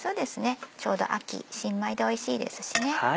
ちょうど秋新米でおいしいですしね。